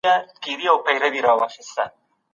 قرآن کريم د هدايت او پوهې کتاب دی.